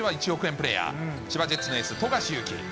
プレーヤー、千葉ジェッツのエース、富樫勇樹。